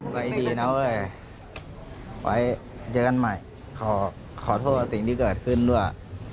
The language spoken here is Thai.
ไว้ดีนะเว้ยไว้เจอกันใหม่ขอโทษกับสิ่งที่เกิดขึ้นด้วย